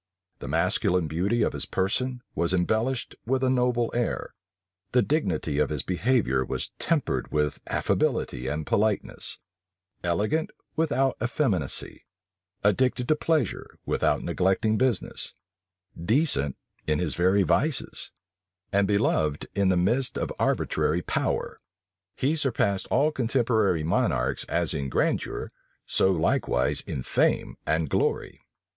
The masculine beauty of his person was embellished with a noble air: the dignity of his behavior was tempered with affability and politeness: elegant without effeminacy, addicted to pleasure without neglecting business, decent in his very vices, and beloved in the midst of arbitrary power, he surpassed all contemporary monarchs, as in grandeur, so likewise in fame and glory.